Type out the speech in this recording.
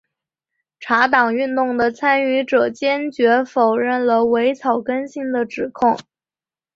茶党运动的参与者坚决否认了伪草根性的指控。